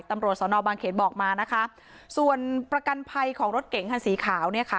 ตำรวจสอนอบางเขนบอกมานะคะส่วนประกันภัยของรถเก๋งคันสีขาวเนี่ยค่ะ